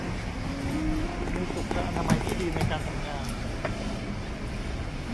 มีสุขอนามัยที่ดีในการทำงาน